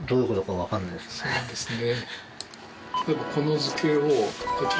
そうですね